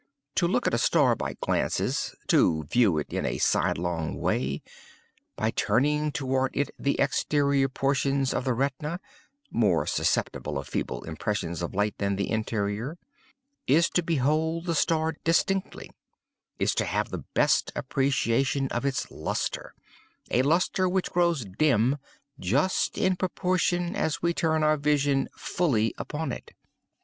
To look at a star by glances—to view it in a side long way, by turning toward it the exterior portions of the retina (more susceptible of feeble impressions of light than the interior), is to behold the star distinctly—is to have the best appreciation of its lustre—a lustre which grows dim just in proportion as we turn our vision fully upon it.